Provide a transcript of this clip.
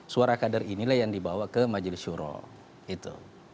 suara kader inilah yang dibawa ke majelis syuro gitu